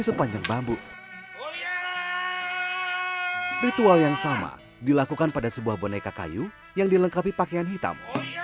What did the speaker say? sepanjang bambu ritual yang sama dilakukan pada sebuah boneka kayu yang dilengkapi pakaian hitam